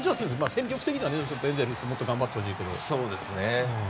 戦力的にはもっとエンゼルス頑張ってほしいけど。